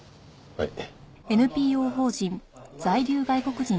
はい。